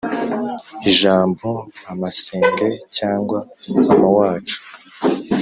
ijambo nka masenge cyangwa mama wacu